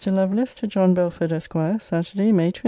LOVELACE, TO JOHN BELFORD, ESQ. SATURDAY, MAY 20.